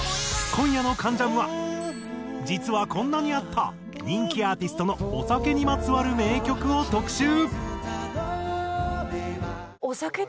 今夜の『関ジャム』は実はこんなにあった人気アーティストのお酒にまつわる名曲を特集。